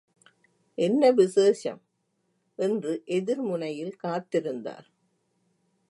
என்ன விசேஷம்? என்று எதிர் முனையில் காத்திருந்தார்.